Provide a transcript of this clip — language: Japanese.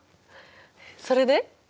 それで？